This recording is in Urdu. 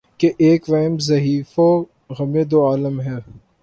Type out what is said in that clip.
کہ ایک وہمِ ضعیف و غمِ دوعالم ہے